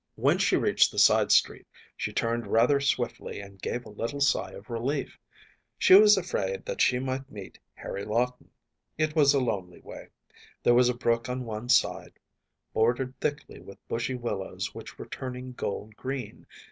When she reached the side street she turned rather swiftly and gave a little sigh of relief. She was afraid that she might meet Harry Lawton. It was a lonely way. There was a brook on one side, bordered thickly with bushy willows which were turning gold green.